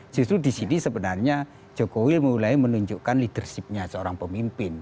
justru di sini sebenarnya jokowi mulai menunjukkan leadershipnya seorang pemimpin